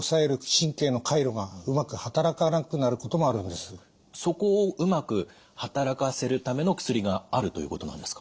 またそこをうまく働かせるための薬があるということなんですか？